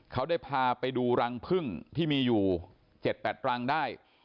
เขาได้พาไปดูรังพึ่งที่มีอยู่๗๘รังได้